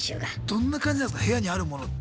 どんな感じなんすか部屋にあるものって。